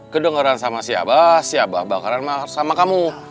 kedengeran sama si aba si aba bakalan marah sama kamu